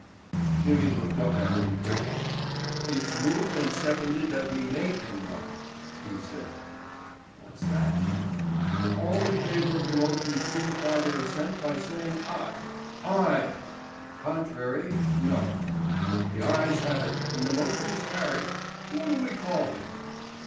Jimmy looked up at him quickly. "It's moved and seconded that we make him one," he said. "What's that?" "All in favor of the motion signify their assent by saying 'Aye.' Aye! Contrary—no. The ayes have it and the motion is carried. What'll we call him?"